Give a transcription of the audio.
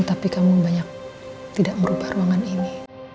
tapi kamu banyak tidak merubah ruangan ini